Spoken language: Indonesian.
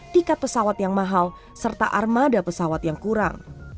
tiket pesawat yang mahal serta armada pesawat yang kurang